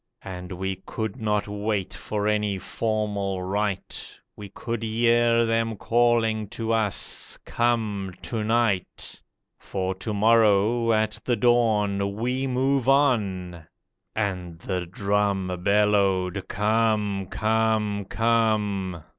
And we could not wait for any formal rite, We could hear them calling to us, 'Come to night; For to morrow, at the dawn, We move on!' And the drum Bellowed, 'Come, come, come!